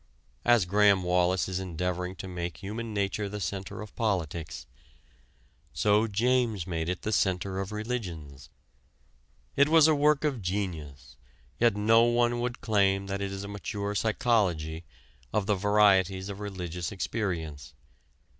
As Graham Wallas is endeavoring to make human nature the center of politics, so James made it the center of religions. It was a work of genius, yet no one would claim that it is a mature psychology of the "Varieties of Religious Experience."